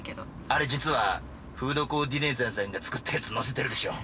あれ実はフードコーディネーターさんが作ったやつ載せてるでしょ？